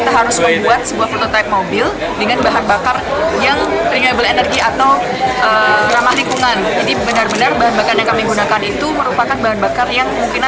utama pengganti dari dapatan maka darilisten lainnya untuk memiliki discovation ekonomi